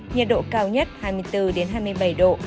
nhiệt độ cao nhất hai mươi bốn hai mươi bảy độ